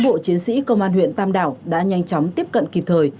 trước tình hình cán bộ chiến sĩ công an huyện tam đảo đã nhanh chóng tiếp cận kịp thời